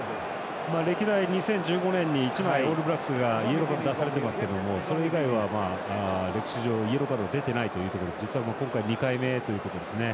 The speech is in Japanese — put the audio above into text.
歴代２０１５年に１枚、オールブラックスがイエローカード出されてますけどそれ以外は歴史上、イエローカード出てないということで実は今回２回目ということですね。